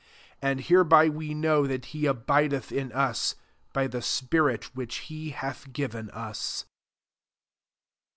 And hereby we know that he abideth in' us, by the spirit which he hath given us.